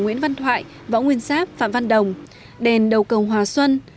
nguyễn văn thoại võ nguyên giáp phạm văn đồng đèn đầu cầu hòa xuân